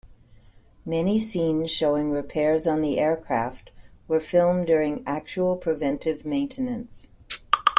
Many scenes showing repairs on the aircraft were filmed during actual preventative maintenance.